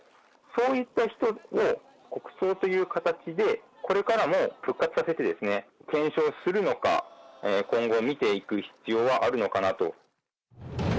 そういった人を国葬という形で、これからも復活させて顕彰するのか、今後見ていく必要はあるのかなと。